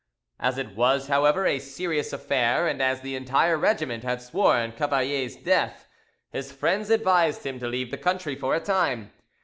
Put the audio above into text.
As it was, however, a serious affair, and as the entire regiment had sworn Cavalier's death, his friends advised him to leave the country for a time.